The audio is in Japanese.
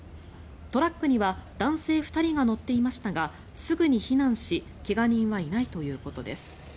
トラックには男性２人が乗っていましたがすぐに避難し、怪我人はいないということです。